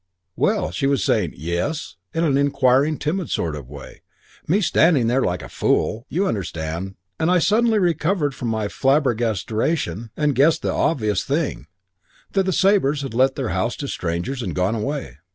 "Well, she was saying 'Yes?' in an inquiring, timid sort of way, me standing there like a fool, you understand, and I suddenly recovered from my flabbergasteration and guessed the obvious thing that the Sabres had let their house to strangers and gone away.